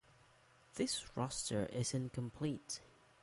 This roster is incomplete.